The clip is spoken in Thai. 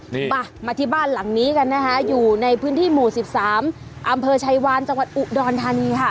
นี่มามาที่บ้านหลังนี้กันนะคะอยู่ในพื้นที่หมู่๑๓อำเภอชายวานจังหวัดอุดรธานีค่ะ